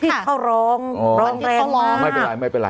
ที่เขาร้องร้องแรงมาก